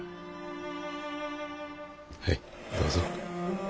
はいどうぞ。